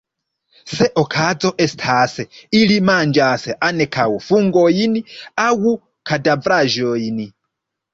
Se okazo estas, ili manĝas ankaŭ fungojn aŭ kadavraĵojn.